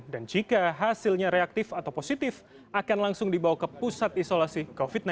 dan jika hasilnya reaktif atau positif akan langsung dibawa ke pusat isolasi covid sembilan belas